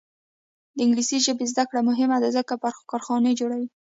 د انګلیسي ژبې زده کړه مهمه ده ځکه چې کارخانې جوړوي.